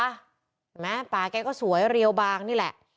เห็นไหมปลากันก็สวยเรียวบางนี่แหละ